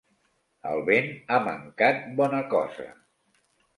El vent ha mancat bona cosa.